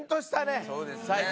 そうですね。